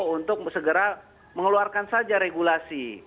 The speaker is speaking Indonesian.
untuk segera mengeluarkan saja regulasi